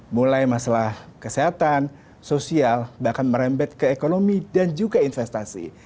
mulai masalah kesehatan sosial bahkan merembet ke ekonomi dan juga investasi